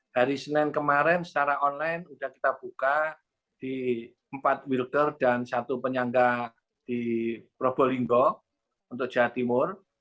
hari senin kemarin secara online sudah kita buka di empat wilker dan satu penyangga di probolinggo untuk jawa timur